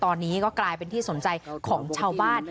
ตอนนี้ก็กลายเป็นที่สนใจของชาวบ้าน